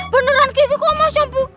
beneran kiki kumas yang pukul